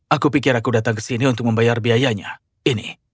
aku pikir aku datang ke sini untuk membayar biayanya ini